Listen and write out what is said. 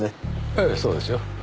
ええそうですよ。